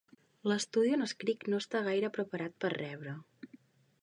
L'estudi on escric no està gaire preparat per rebre.